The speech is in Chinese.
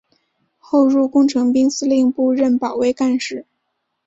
后入工程兵司令部任保卫干事。